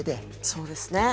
そうですね。